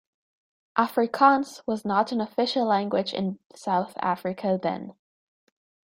Afrikaans was not an official language in South Africa then.